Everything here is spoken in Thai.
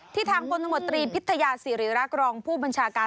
ที่ทางปนมตรีพิทยาศิริรากรองผู้บัญชาการ